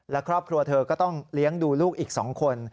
และครอบครัวเธอก็ต้องเลี้ยงดูลูกอีก๒คน